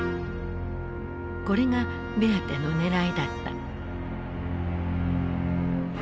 これがベアテのねらいだった。